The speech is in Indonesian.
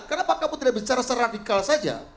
kenapa kamu tidak bicara secara radikal saja